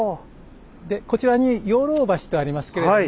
でこちらに養老橋とありますけれども。